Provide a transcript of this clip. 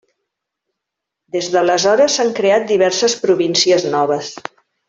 Des d'aleshores, s'han creat diverses províncies noves.